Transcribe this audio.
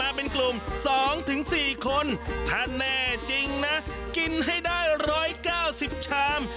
ได้กินฟรีไปเลยเหล่าครับเนี่ย